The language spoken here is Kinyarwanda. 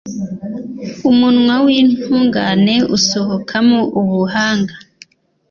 Umunwa w’intungane usohokamo ubuhanga